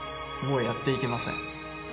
もうやっていけません